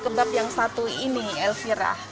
kebab yang satu ini elvira